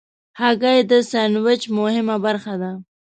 هګۍ د سندویچ مهمه برخه ده.